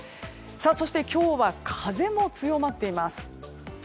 そして、今日は風も強まっています。